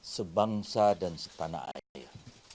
sebangsa dan setanah air